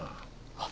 あっ！